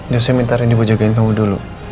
ya saya minta ini gue jagain kamu dulu